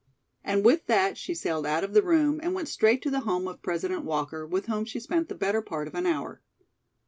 And with that she sailed out of the room and went straight to the home of President Walker, with whom she spent the better part of an hour.